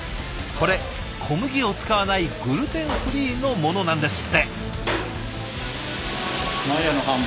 これ小麦を使わないグルテンフリーのものなんですって。